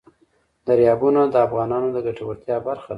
دریابونه د افغانانو د ګټورتیا برخه ده.